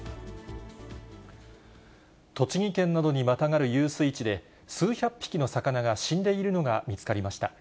栃木県などにまたがる遊水地で、数百匹の魚が死んでいるのが見つかりました。